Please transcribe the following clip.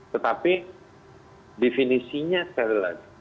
tetapi definisinya sekali lagi